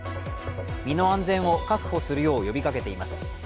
身の安全を確保するよう呼びかけています。